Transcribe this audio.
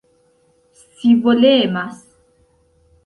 scivolemas